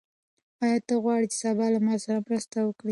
آیا ته غواړې چې سبا له ما سره مرسته وکړې؟